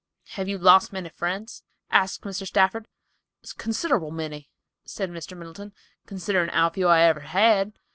"Have you lost many friends?" asked Mr. Stafford. "Considerable many," said Mr. Middleton, "considering how few I ever had.